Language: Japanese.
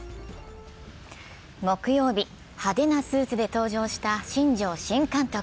木曜日、派手なスーツで登場した新庄新監督。